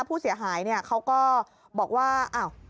ผู้เสียหายเนี่ยเขาก็บอกว่า